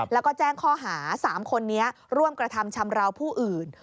แล้วก็แจ้งข้อหา๓คนนี้ร่วมกระทำชำราวผู้อื่น